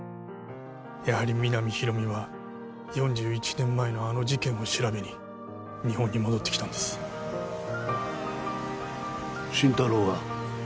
やはり皆実広見は４１年前のあの事件を調べに日本に戻ってきたんです心太朗は？